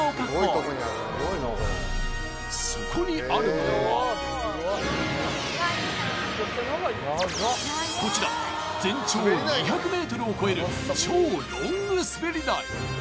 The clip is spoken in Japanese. そこにあるのはこちら全長２００ｍを超える超ロングすべり台